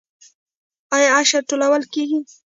آیا عشر ټولول کیږي؟